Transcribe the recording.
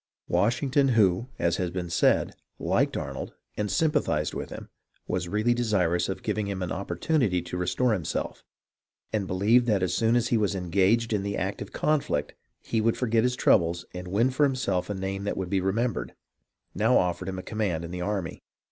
Washington, who, as has been said, liked Arnold and sympathized with him, was really desirous of giving him an opportunity to restore himself, and believed that as soon as he was engaged in the active conflict he would forget his troubles and win for himself a name that would be remembered, now offered him a command in the army.